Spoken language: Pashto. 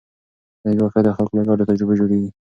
ټولنیز واقیعت د خلکو له ګډو تجربو جوړېږي.